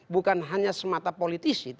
bukan hanya semata politisi